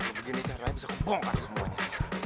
aku begini caranya bisa kebongkar semuanya